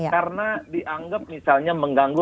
karena dianggap misalnya mengganggu